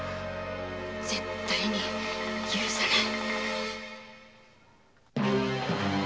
絶対に許せない！